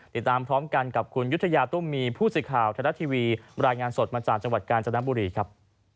ติดตามพร้อมกันกับคุณยุธยาตุ้มมีผู้สื่อข่าวไทยรัฐทีวีรายงานสดมาจากจังหวัดกาญจนบุรีครับ